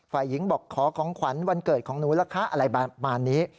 ฝ่ายหญิงบอกขอของขวัญวันเกิดของหนูล่ะคะอะไรประมาณนี้